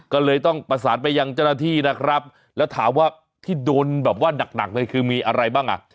ก็เลยต้องประสานไปยังเจ้าหน้าที่นะครับแล้วถามว่าที่โดนแบบว่าหนักเลยคือมีอะไรบ้างอ่ะ